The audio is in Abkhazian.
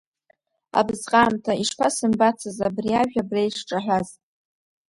Абасҟаамҭа ишԥасымбацыз абри ажә абра ишҿаҳәаз?